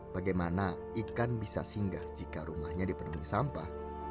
bagaimana ikan bisa singgah jika rumahnya dipenuhi sampah